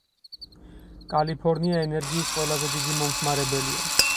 კალიფორნია ენერგიის ყველაზე დიდი მომხმარებელია.